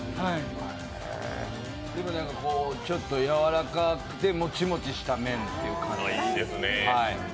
ちょっとやわらかくて、もちもちした麺という感じ。